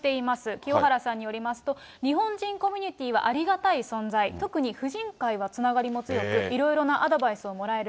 清原さんによりますと、日本人コミュニティはありがたい存在、特に夫人会はつながりも強く、いろいろなアドバイスをもらえる。